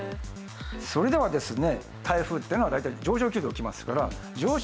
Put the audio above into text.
それではですね